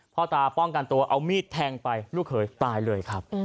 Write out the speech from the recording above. พ่อตาป้องกันตัวเอามีดแทงไปลูกเขยตายเลยครับ